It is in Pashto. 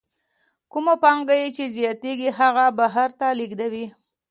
کومه پانګه یې چې زیاتېږي هغه بهر ته لېږدوي